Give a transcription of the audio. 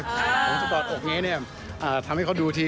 สตรอดอกเน่นี่ทำให้เค้าดูที